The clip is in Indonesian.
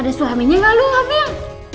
kamu hamil bukan